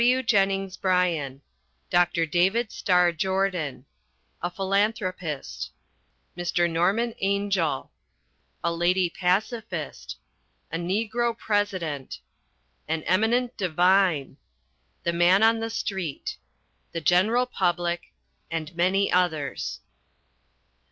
W. JENNINGS BRYAN. DR. DAVID STARR JORDAN. A PHILANTHROPIST. MR. NORMAN ANGELL. A LADY PACIFIST. A NEGRO PRESIDENT. AN EMINENT DIVINE. THE MAN ON THE STREET. THE GENERAL PUBLIC. And many others.